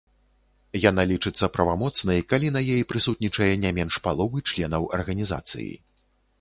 Яна лічыцца правамоцнай, калі на ей прысутнічае не менш паловы членаў арганізацыі.